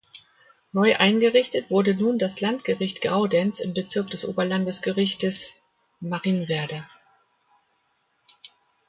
Neu eingerichtet wurde nun das Landgericht Graudenz im Bezirk des Oberlandesgerichtes Marienwerder.